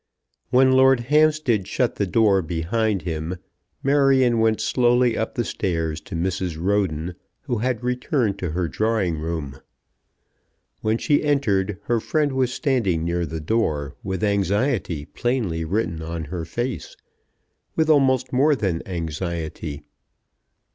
When Lord Hampstead shut the door behind him, Marion went slowly up the stairs to Mrs. Roden, who had returned to her drawing room. When she entered, her friend was standing near the door, with anxiety plainly written on her face, with almost more than anxiety.